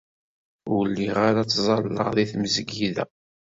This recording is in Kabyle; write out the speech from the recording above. Ur lliɣ ara ttẓallaɣ deg tmesgida.